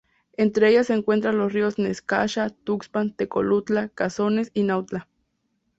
Entre ellas se encuentran los ríos Necaxa, Tuxpan, Tecolutla, Cazones y Nautla.